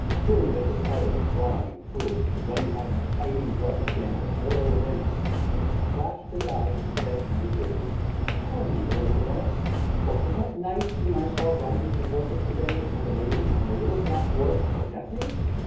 Hearing this recital of wrong and cruelty the young knight's fighting blood began to boil within him, and with a flash of his eye he asked eagerly: "Tell me, Earl Yniol, was that knight whom I saw ride into the fortress to day with a lady and a little black dwarf your nephew.